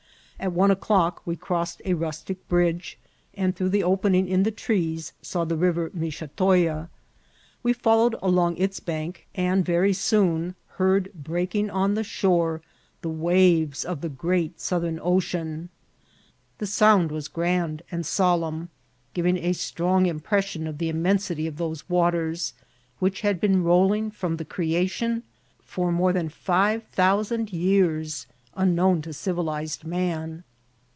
At one o'clock we crossed a rustic bridge, and through the opening in the trees saw the river Michetoya. We followed along its bank, and very soon heard breaking on the shore the waves of the great Southern Ocean. The sound was grand and solemn, giving a strong impression of the inunensity of those waters, which had been rolling from the creation, for more than five thousand years, imknown to civilized man.